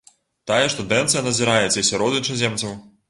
Тая ж тэндэнцыя назіраецца і сярод іншаземцаў.